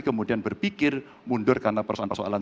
kemudian berpikir mundur karena persoalan persoalan